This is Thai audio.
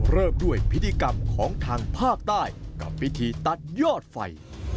เริ่มด้วยพิธีกรรมของทางภาคใต้กับพิธีตัดยอดไฟ